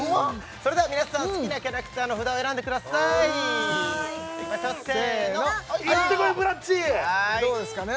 それでは皆さん好きなキャラクターの札を選んでくださいいきますよせーのせーのはいどうですかね？